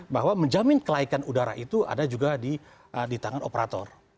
bahwa menjamin kelaikan udara itu ada juga di tangan operator